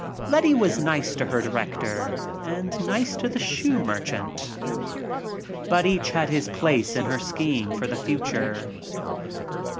Letty was nice to her director and nice to the shoe merchant — but each had his place in her scheme for the future.